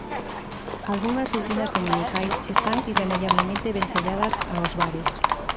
Algunhas rutinas dominicais están irremediablemente vencelladas aos bares.